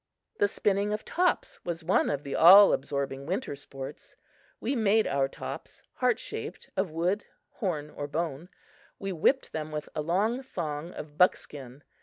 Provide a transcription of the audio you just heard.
The spinning of tops was one of the all absorbing winter sports. We made our tops heartshaped of wood, horn or bone. We whipped them with a long thong of buckskin.